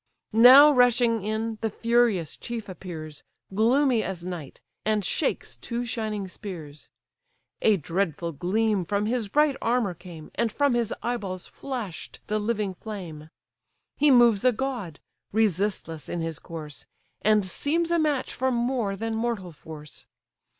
Now rushing in, the furious chief appears, Gloomy as night! and shakes two shining spears: A dreadful gleam from his bright armour came, And from his eye balls flash'd the living flame. He moves a god, resistless in his course, And seems a match for more than mortal force.